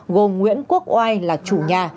gồm nguyễn quốc oai là chủ nhà